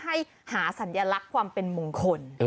ให้หาสัญลักษณ์ความเป็นมงคล